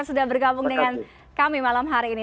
sudah bergabung dengan kami malam hari ini